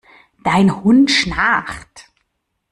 Dein Hund schnarcht!